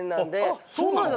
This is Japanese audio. そうなの？